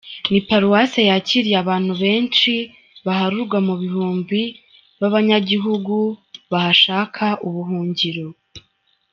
Ni paroisse yakiriye abantu benshi baharurwa mu bihumbi b'abanyagihugu bahashaka ubuhungiro.